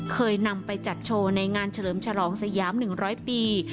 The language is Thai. เคยนำไปจัดโชว์ในงานเฉลิมฉลองสยาม๑๐๐ปี